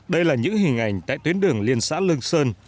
đây là những hình ảnh tại tuyến đường liên xã lương sơn